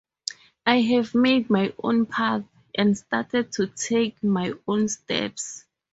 I have made my own path and started to take my own steps.